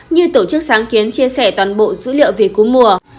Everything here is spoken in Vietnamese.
như tổ chức sáng kiến chia sẻ toàn bộ dữ liệu về cú mùa